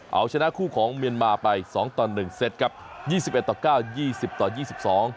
เอาชนะคู่ของเมียนมาไปสองต่อหนึ่งเซตครับยี่สิบเอ็ดต่อเก้ายี่สิบต่อยี่สิบสอง